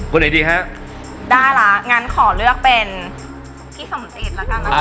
คุณไอดีฮะได้ล่ะงั้นขอเลือกเป็นพี่สมศิษย์แล้วกันอ่า